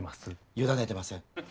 委ねてません。